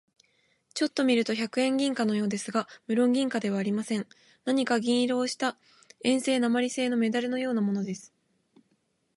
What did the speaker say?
ちょっと見ると百円銀貨のようですが、むろん銀貨ではありません。何か銀色をした鉛製なまりせいのメダルのようなものです。